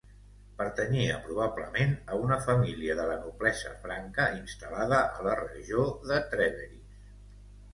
Pertanyia probablement a una família de la noblesa franca instal·lada a la regió de Trèveris.